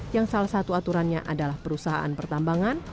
yang salah satu aturannya adalah perusahaan pertambangan